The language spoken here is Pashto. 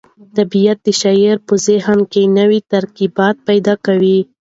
طبیعت د شاعر په ذهن کې نوي ترکیبات پیدا کوي.